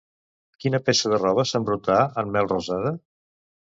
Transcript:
Quina peça de roba s'embrutà en Melrosada?